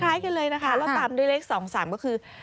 กันเลยนะคะแล้วตามด้วยเลข๒๓ก็คือ